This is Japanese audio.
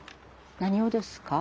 何をですか？